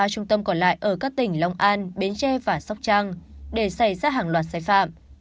ba trung tâm còn lại ở các tỉnh long an bến tre và sóc trăng để xảy ra hàng loạt sai phạm